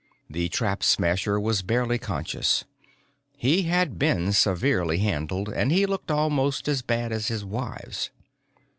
The Trap Smasher was barely conscious. He had been severely handled, and he looked almost as bad as his wives.